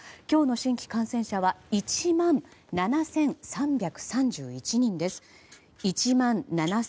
今日の新規感染者は１万７３３１人です。